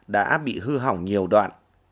đã bị hư hỏng nhiều đoạn